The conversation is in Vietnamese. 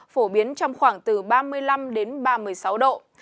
phổ biến trong khoảng từ ba mươi năm đến ba mươi sáu độ